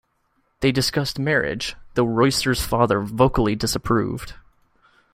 They discussed marriage, though Royster's father vocally disapproved.